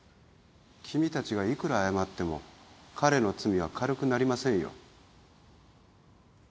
君たちがいくら謝っても彼の罪は軽くなりませんよ。